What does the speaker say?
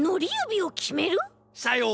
さよう。